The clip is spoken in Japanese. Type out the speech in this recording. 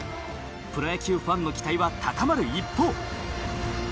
プロ野球ファンの期待は高まる一方。